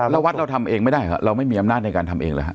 แล้ววัดเราทำเองไม่ได้เหรอเราไม่มีอำนาจในการทำเองเหรอฮ